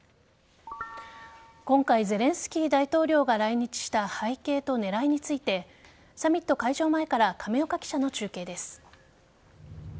今回、ゼレンスキー大統領が来日した背景と狙いについてサミット会場前から亀岡記者の中継です。